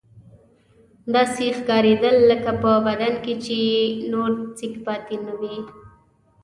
داسې ښکارېدل لکه په بدن کې چې یې نور سېک پاتې نه وي.